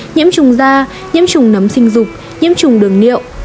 nhiễm trùng da nhiễm trùng nấm sinh dục nhiễm trùng đường niệm